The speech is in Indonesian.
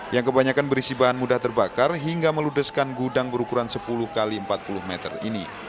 yang kebanyakan berisi bahan mudah terbakar hingga meludeskan gudang berukuran sepuluh x empat puluh meter ini